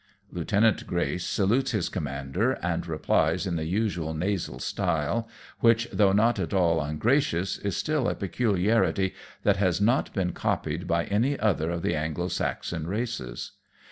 Lieutenant Grace salutes his commander^ and replies in the usual nasal style, which, though not at all ungracious, is still a peculiarity that has not been copied by any other of the Anglo Saxon races.